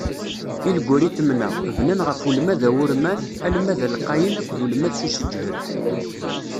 Ilguritmen-a, bnan ɣef ulmad awurman, Almad lqayen akked ulmad s useǧhed.